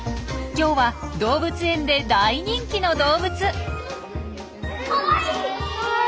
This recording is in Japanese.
今日は動物園で大人気の動物！